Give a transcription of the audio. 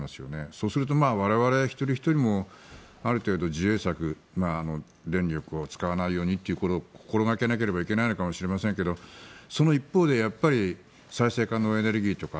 そうすると我々一人ひとりもある程度、自衛策電力を使わないようにということを心掛けなければいけないのかもしれませんがその一方で再生可能エネルギーとか